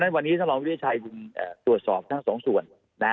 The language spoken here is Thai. วันนี้นรวิทยาชัยจึงจุดสอบทั้งสองส่วน